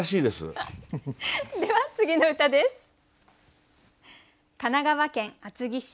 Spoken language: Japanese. では次の歌です。